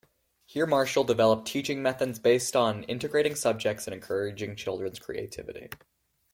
Here Marshall developed teaching methods based on integrating subjects and encouraging children's creativity.